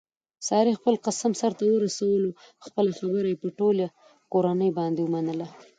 سارې خپل قسم سرته ورسولو خپله خبره یې په ټوله کورنۍ باندې ومنله.